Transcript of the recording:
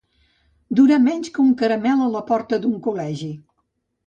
Durar menys que un caramel a la porta d'un col·legi.